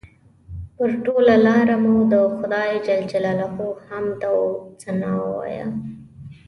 پر ټوله لاره مو د خدای جل جلاله حمد او ثنا ووایه.